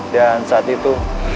dan saat itu